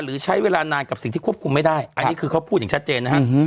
หรือใช้เวลานานกับสิ่งที่ควบคุมไม่ได้อันนี้คือเขาพูดอย่างชัดเจนนะฮะ